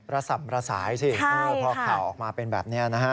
สับระสายสิพอข่าวออกมาเป็นแบบนี้นะฮะ